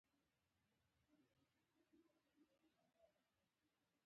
د افغانستان د اقتصادي پرمختګ لپاره پکار ده چې بکسې جوړې شي.